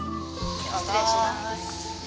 失礼します。